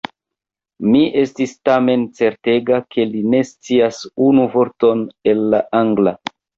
Mi estis tamen certega, ke li ne scias unu vorton el la Angla.